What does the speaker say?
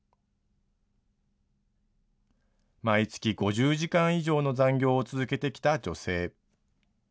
毎月５０時間以上の残業を続けてきた女性。